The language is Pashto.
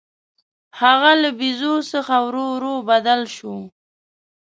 هغه له بیزو څخه ورو ورو بدل شو.